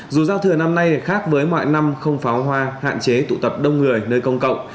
dù giao thừa năm nay khác với mọi năm không pháo hoa hạn chế tụ tập đông người nơi công cộng